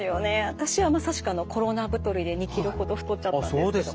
私はまさしくコロナ太りで２ｋｇほど太っちゃったんですけど。